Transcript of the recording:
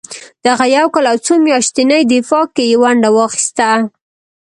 دغه یو کال او څو میاشتني دفاع کې یې ونډه واخیسته.